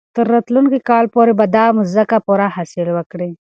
تر راتلونکي کال پورې به دا مځکه پوره حاصل ورکړي.